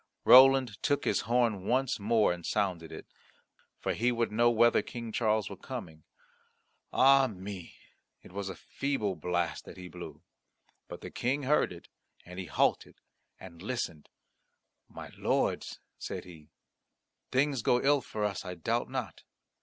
Roland took his horn once more and sounded it, for he would know whether King Charles were coming. Ah me! it was a feeble blast that he blew. But the King heard it, and he halted and listened. "My lords!" said he, "things go ill for us, I doubt not.